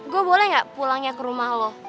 gue boleh gak pulangnya ke rumah lo